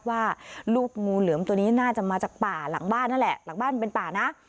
ว่าลูกงูเหลือมตัวนี้น่าจะมาจากป่าหลังบ้านนั่นแหละหลังบ้านมันเป็นป่านะ